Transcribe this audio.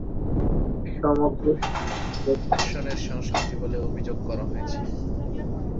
সমগ্র সমাজকে ধর্ষণ সংস্কৃতি বলে অভিযোগ করা হয়েছে।